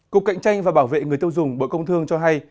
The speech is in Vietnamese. cục cạnh tranh và bảo vệ người tiêu dùng bộ công thương cho hay